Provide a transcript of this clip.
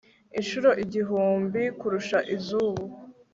incuro igihumbi kurusha izuba